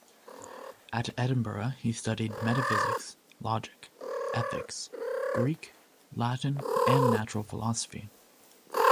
At Edinburgh he studied metaphysics, Logic, Ethics, Greek, Latin and Natural Philosophy.